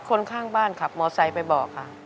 คนข้างบ้านขับมอไซค์ไปบอกค่ะ